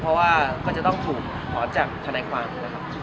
เพราะว่าก็จะต้องถูกขอจากภาคฟันธุ์ครับ